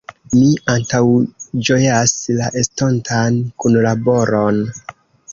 Mi antaŭĝojas la estontan kunlaboron.